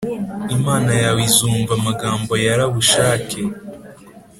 Imana yawe izumva amagambo ya Rabushake